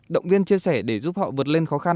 động viên chia sẻ để giúp họ vượt lên khó khăn